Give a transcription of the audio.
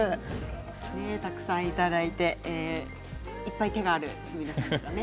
たくさんいただいていっぱい手がある角野さんですね。